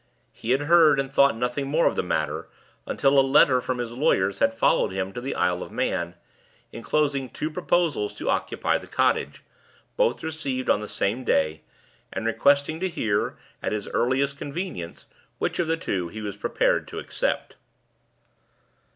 He had heard and thought nothing more of the matter, until a letter from his lawyers had followed him to the Isle of Man, inclosing two proposals to occupy the cottage, both received on the same day, and requesting to hear, at his earliest convenience, which of the two he was prepared to accept.